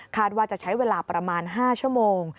ว่าจะใช้เวลาประมาณ๕ชั่วโมง